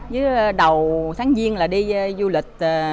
với đầu tháng duyên là đi du lịch